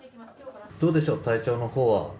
どうでしょう、体調のほうは。